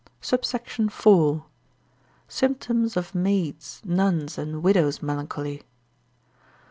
SUBSECT. IV.—Symptoms of Maids, Nuns, and Widows' Melancholy.